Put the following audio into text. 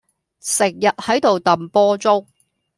成日係度揼波鐘